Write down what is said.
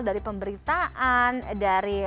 dari pemberitaan dari